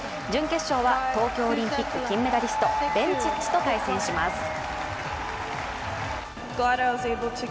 準決勝は東京オリンピック金メダリスト・ベンチッチと対戦します。